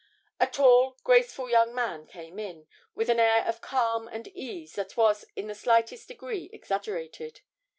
A tall, graceful young man came in, with an air of calm and ease that was in the slightest degree exaggerated.